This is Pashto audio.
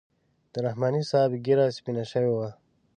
د رحماني صاحب ږیره سپینه شوې وه.